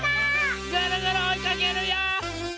ぐるぐるおいかけるよ！